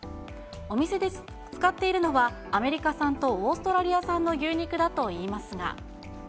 お店で使っているのは、アメリカ産とオーストラリア産の牛肉だといいますが。